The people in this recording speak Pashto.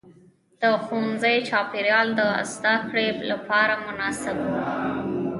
د ښوونځي چاپېریال د زده کړې لپاره مناسب و.